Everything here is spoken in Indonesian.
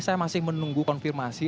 saya masih menunggu konfirmasi